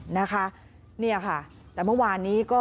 นี่ค่ะแต่เมื่อวานนี้ก็